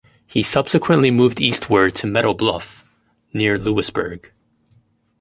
He subsequently moved eastward to Meadow Bluff near Lewisburg.